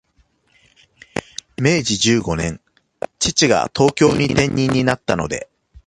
明治十五年、父が東京に転任になったので、